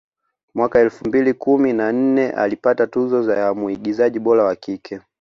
Mwaka elfu mbili kumi na nne alipata tuzo ya mwigizaji bora wa kike